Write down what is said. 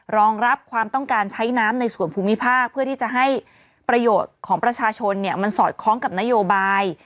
รองรับความต้องการใช้น้ำในส่วนภูมิภาคเพื่อที่จะให้ประโยชน์ของประชาชนมันสอดคล้องกับนโยบาย